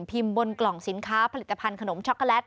บนกล่องสินค้าผลิตภัณฑ์ขนมช็อกโกแลต